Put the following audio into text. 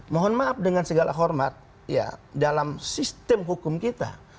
mohon maaf dengan segala hormat dalam sistem hukum kita